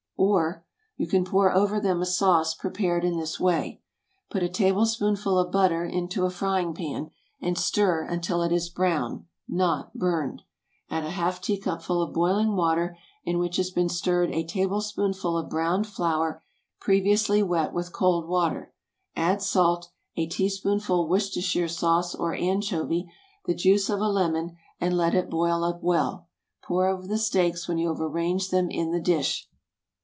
Or, You can pour over them a sauce prepared in this way:— Put a tablespoonful of butter into a frying pan, and stir until it is brown—not burned. Add a half teacupful of boiling water in which has been stirred a tablespoonful of browned flour previously wet with cold water. Add salt, a teaspoonful Worcestershire sauce or anchovy, the juice of a lemon, and let it boil up well. Pour over the steaks when you have arranged them in the dish.